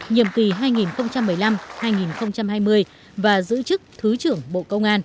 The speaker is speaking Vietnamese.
nhiệm kỳ hai nghìn một mươi năm hai nghìn hai mươi và giữ chức thứ trưởng bộ công an